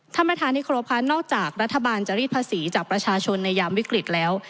ท่านประธานที่ครบค่ะนอกจากรัฐบาลจะรีดภาษีจากประชาชนในยามวิกฤตแล้ว